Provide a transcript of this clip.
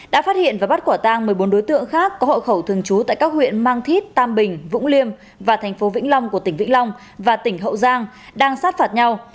đã phát hiện và bắt quả tang một mươi bốn đối tượng khác có hộ khẩu thường trú tại các huyện mang thít tam bình vũng liêm và tp vĩnh long của tỉnh vĩnh long và tỉnh hậu giang đang sát phạt nhau